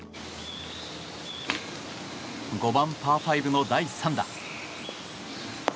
５番、パー５の第３打。